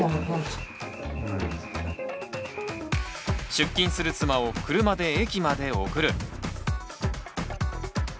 出勤する妻を車で駅まで送る。